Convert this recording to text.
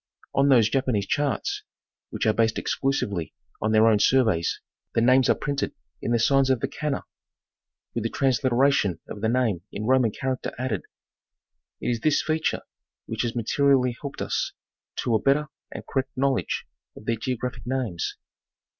On those Japanese charts, which are based exclusively on their own surveys, the names are printed in the signs of the ' Kana' with the transliteration of the name in Roman character added. It is this feature which has materially helped us to a better and correct knowledge of their geographic names.